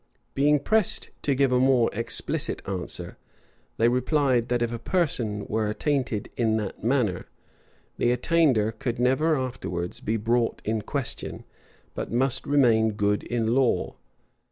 Being pressed to give a more explicit answer, they replied, that if a person were attainted in that manner, the attainder could never afterwards be brought in question, but must remain good in law.